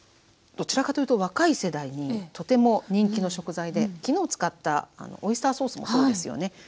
どちらかというと若い世代にとても人気の食材で昨日使ったオイスターソースもそうですよね。